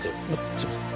すいません。